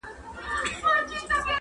جهاني نن مي له زاهده نوې واورېدله!!